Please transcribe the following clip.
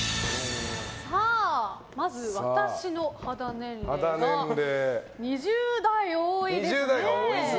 まず、私の肌年齢が２０代が多いですね。